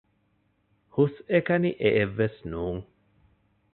ހުސްއެކަނި އެއެއް ވެސް ނޫން